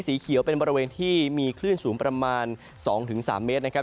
สีเขียวเป็นบริเวณที่มีคลื่นสูงประมาณ๒๓เมตรนะครับ